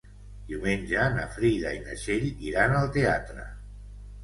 Diumenge na Frida i na Txell iran al teatre.